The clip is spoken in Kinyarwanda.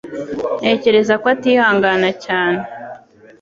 Ntekereza ko atihangana cyane.